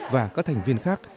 và các thành viên khác